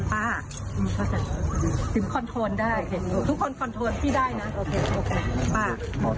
ป้าถึงคอนโทรลได้ทุกคนคอนโทรลพี่ได้นะป้า